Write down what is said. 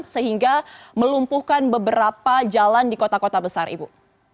sehingga melumpuhkan beberapa jalan di kota kota besar ibu